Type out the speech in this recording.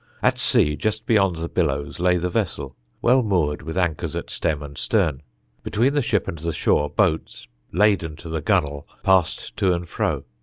At sea, just beyond the billows, lay the vessel, well moored with anchors at stem and stern. Between the ship and the shore boats, laden to the gunwale, passed to and fro.